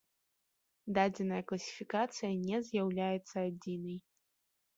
Дадзеная класіфікацыя не з'яўляецца адзінай.